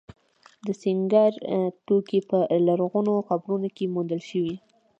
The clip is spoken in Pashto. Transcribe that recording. د سینګار توکي په لرغونو قبرونو کې موندل شوي